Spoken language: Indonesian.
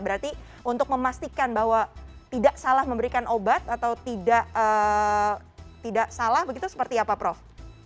berarti untuk memastikan bahwa tidak salah memberikan obat atau tidak salah begitu seperti apa prof